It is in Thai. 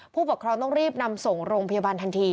ผู้ปกครองต้องรีบนำส่งโรงพยาบาลทันที